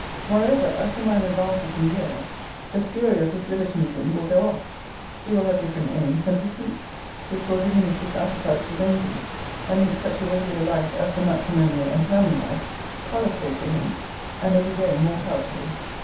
Moreover, as the man advances in years, the fury of his libertinism will go off. He will have different aims and pursuits, which will diminish his appetite to ranging, and make such a regular life as the matrimonial and family life, palatable to him, and every day more palatable.